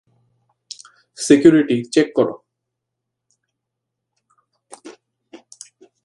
Security, check করো।